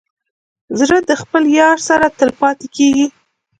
زړه د خپل یار سره تل پاتې کېږي.